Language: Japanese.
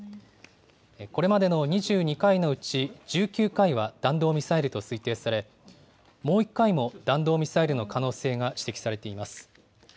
これまでの２２回のうち、１９回は弾道ミサイルと推定され、もう１回も弾道ミサイルの可能性が指摘されています。